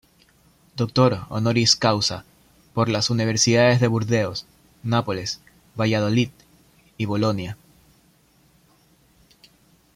Doctor "honoris causa" por las universidades de Burdeos, Nápoles, Valladolid y Bolonia.